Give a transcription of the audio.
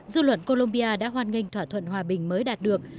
dư luận colombia đã hoan nghênh thỏa thuận hòa bình mới đạt được